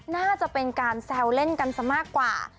น่าจะเป็นการแซวเล่นกันซะมากกว่า